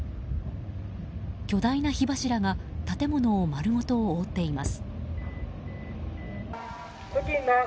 巨大な火柱が建物を丸ごと覆っています。